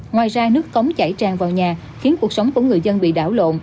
ngoài ra nước cống chảy tràn vào nhà khiến cuộc sống của người dân bị đảo lộn